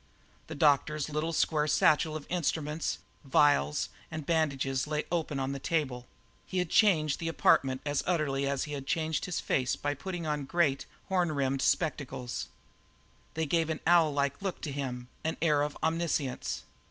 The doctor's little square satchel of instruments, vials, and bandages lay open on the table; he had changed the apartment as utterly as he had changed his face by putting on great, horn rimmed spectacles. They gave an owl like look to him, an air of omniscience.